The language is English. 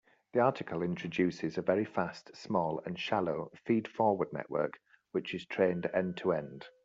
The article introduces a very fast, small, and shallow feed-forward network which is trained end-to-end.